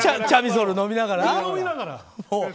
チャミスル飲みながら。